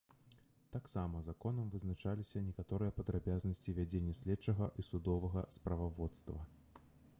Таксама законам вызначаліся некаторыя падрабязнасці вядзення следчага і судовага справаводства.